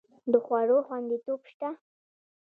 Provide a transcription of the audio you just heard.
د خوړو خوندیتوب شته؟